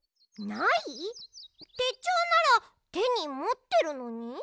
てちょうならてにもってるのに？